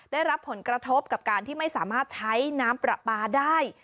ได้รับผลกระทบกับการที่ไม่สามารถใช้น้ำปลาปลาได้